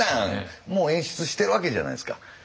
もう演出してるわけじゃないですか。